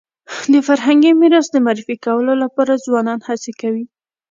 د فرهنګي میراث د معرفي کولو لپاره ځوانان هڅي کوي.